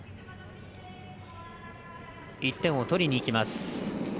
１点を取りにいきます。